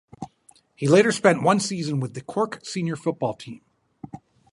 He later spent one season with the Cork senior football team.